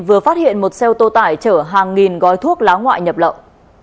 vừa phát hiện một xe ô tô tải chở hàng nghìn gói thuốc lá ngoại nhập lậu